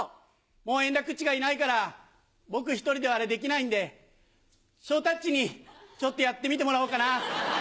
もう円楽っちがいないから、僕１人では、あれできないんで、昇太っちにちょっとやってみてもらおうかな。